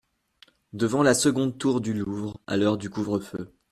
Devant la seconde tour du Louvre… à l’heure du couvre-feu.